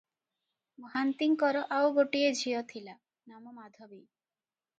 ମହାନ୍ତିଙ୍କର ଆଉ ଗୋଟିଏ ଝିଅ ଥିଲା, ନାମ ମାଧବୀ ।